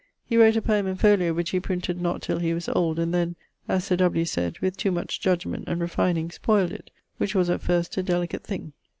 He wrote a poeme in folio which he printed not till he was old, and then, (as Sir W. said) with too much judgment and refining, spoyld it, which was at first a delicate thing.